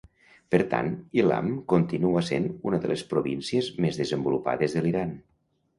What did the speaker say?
Per tant, Ilam continua sent una de les províncies més desenvolupades de l'Iran.